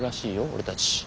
俺たち。